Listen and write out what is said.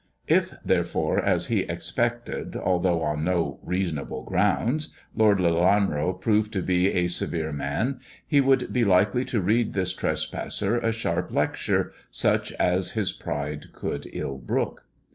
If, therefore, as he expected, although on no reasonable grounds. Lord Lelanro proved to be a severe man, he would be likely to read this trespasser a sharp lecture, such as his pride could ill brook.